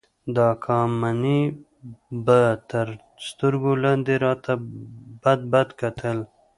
د اکا مينې به تر سترگو لاندې راته بدبد کتل.